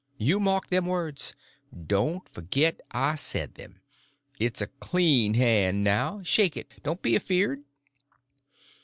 You mark them words—don't forget I said them. It's a clean hand now; shake it—don't be afeard."